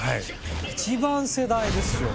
「一番世代ですよ」